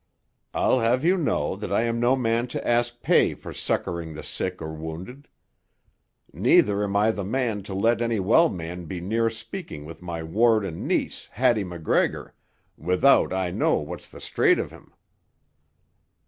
I'll have you know that I am no man to ask pay for succouring the sick or wounded. Neither am I the man to let any well man be near speaking with my ward and niece, Hattie MacGregor, without I know what's the straight of him."